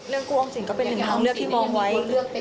เรื่องกู้ออมสินก็เป็นหนึ่งทางเลือกที่มองไว้